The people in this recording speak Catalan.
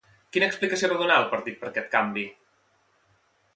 Quina explicació va donar el partit per aquest canvi?